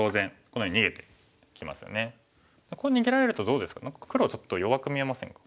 こう逃げられるとどうですか黒ちょっと弱く見えませんか？